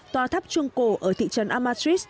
tòa tháp chuông cổ ở thị trấn amatrice